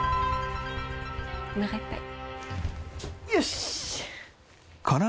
「おなかいっぱい」